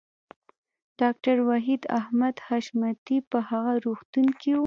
ډاکټر وحید احمد حشمتی په هغه روغتون کې و